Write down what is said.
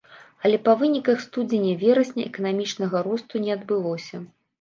Але па выніках студзеня-верасня эканамічнага росту не адбылося.